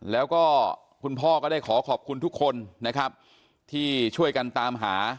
แล้วก็คุณพ่อก็ได้ขอขอบคุณทุกคนนะครับที่ช่วยกันตามหา